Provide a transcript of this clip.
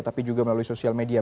tapi juga melalui sosial media